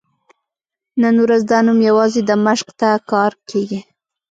نن ورځ دا نوم یوازې دمشق ته کارول کېږي.